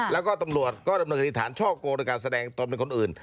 แล้วก็ตำรวจก็ดำเนินคดีฐานช่อโกงโดยการแสดงตนเป็นคนอื่น